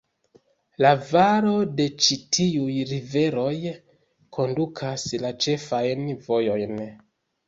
La valo de ĉi tiuj riveroj kondukas la ĉefajn vojojn.